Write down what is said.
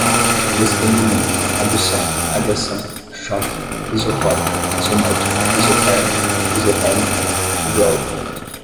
desprendimento, adução, radiação, choque, isocórica, isométrica, isoterma, isotérmica, joule